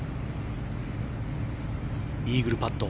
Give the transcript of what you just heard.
イーグルパット。